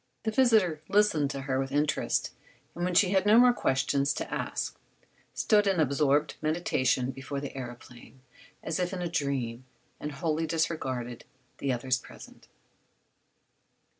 The visitor listened to her with interest, and when she had no more questions to ask stood in absorbed meditation before the aëroplane, as if in a dream, and wholly disregarded the others present.